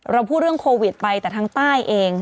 เราพูดเรื่องโควิดไปแต่ทางใต้เอง